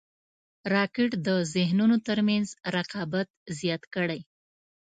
راکټ د ذهنونو تر منځ رقابت زیات کړی